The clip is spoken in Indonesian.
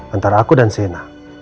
antara aku dan sienna